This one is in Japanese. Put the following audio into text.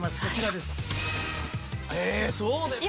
こちらです。